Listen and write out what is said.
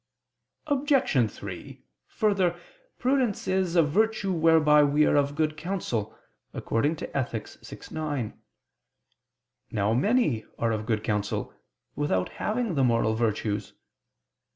Obj. 3: Further, prudence is "a virtue whereby we are of good counsel" (Ethic. vi, 9). Now many are of good counsel without having the moral virtues.